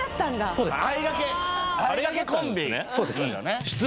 そうです